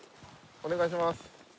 お願いします。